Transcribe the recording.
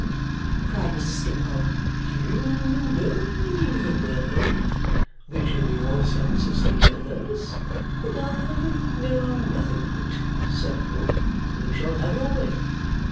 cried Mr. Skimpole. "You know the world (which in your sense is the universe), and I know nothing of it, so you shall have your way.